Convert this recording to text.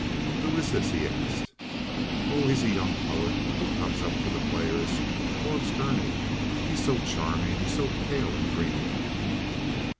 "Who is this?" he asked. "Oh, he's a young poet who comes up to the Players—Forbes Gurney. He's so charming; he's so pale and dreamy."